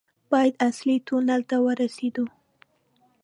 بيا اصلي تونل ته ورسېدو.